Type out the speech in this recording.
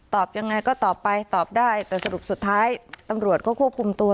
ยังไงก็ตอบไปตอบได้แต่สรุปสุดท้ายตำรวจก็ควบคุมตัว